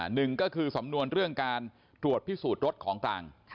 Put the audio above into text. หนึ่งก็คือสำนวนเรื่องการตรวจพิสูจน์รถของกลาง